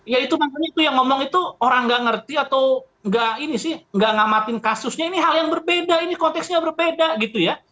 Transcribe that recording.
ya itu maksudnya yang ngomong itu orang nggak ngerti atau nggak ngamatin kasusnya ini hal yang berbeda konteksnya berbeda gitu ya